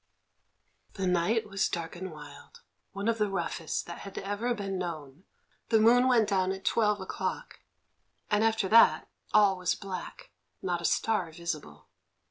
That night was dark and wild, one of the roughest that had ever been known. The moon went down at twelve o'clock, and after that all was black, not a star visible.